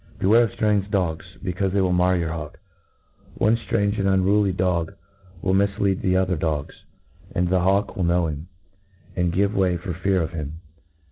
Beware of ftrange dogs, becaufe they will mar your hawk. One ftrange and unruly dog will miflead the other dogs j and the hawk will know him, and give way for fear of him.